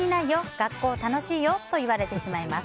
学校楽しいよと言われてしまいます。